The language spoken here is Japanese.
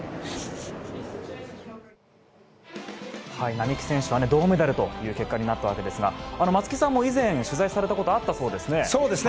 並木選手は銅メダルという結果になったわけですが松木さんも以前、取材されたことあったそうですね。